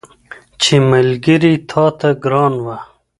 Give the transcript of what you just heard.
چي ملګري تاته ګران وه